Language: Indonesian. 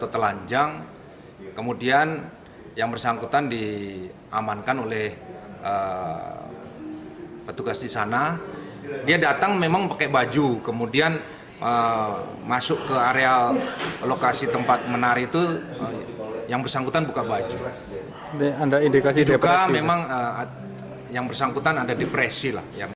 di duka memang yang bersangkutan ada depresi lah